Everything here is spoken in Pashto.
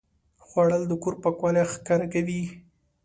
خوړل د کور پاکوالی ښکاره کوي